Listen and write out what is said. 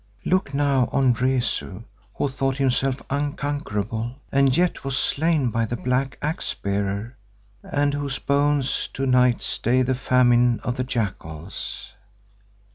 Look now on Rezu who thought himself unconquerable and yet was slain by the black Axe bearer and whose bones to night stay the famine of the jackals.